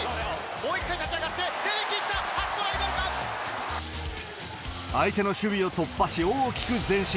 もう一回立ち上がって、レメキ行相手の守備を突破し、大きく前進。